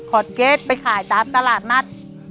เกรสไปขายตามตลาดนัด